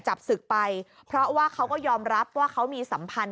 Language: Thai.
จับศึกไปเพราะว่าเขาก็ยอมรับว่าเขามีสัมพันธ